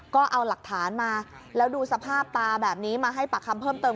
ก็เอาหลักฐานมาแล้วดูสภาพตาแบบนี้มาให้ปากคำเพิ่มเติม